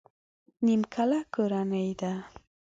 نيمکله کورنۍ ده.